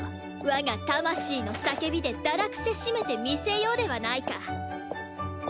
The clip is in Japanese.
我が魂の叫びで堕落せしめてみせようではないか。